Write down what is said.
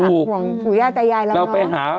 ห่วงผู้หญ้าตายายแล้วเนาะ